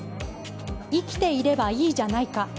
生きていればいいじゃないか。